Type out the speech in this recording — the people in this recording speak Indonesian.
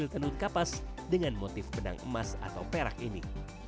tenun kapas dengan motif benang emas atau perak ini